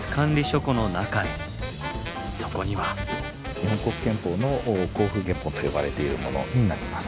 日本国憲法の公布原本と呼ばれているものになります。